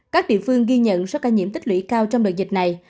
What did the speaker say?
các địa phương ghi nhận số ca nhiễm tích lũy cao trong đợt dịch này